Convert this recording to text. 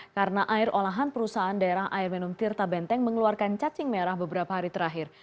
karena air olahan perusahaan daerah air minum tirta benteng mengeluarkan cacing merah beberapa hari terakhir